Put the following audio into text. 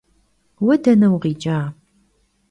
Vue dene vukhiç'a?